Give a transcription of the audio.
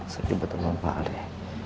saya juga terlupa deh